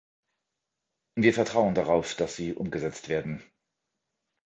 Wir vertrauen darauf, dass sie umgesetzt werden.